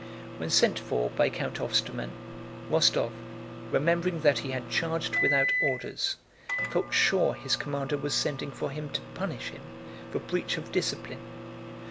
When sent for by Count Ostermann, Rostóv, remembering that he had charged without orders, felt sure his commander was sending for him to punish him for breach of discipline.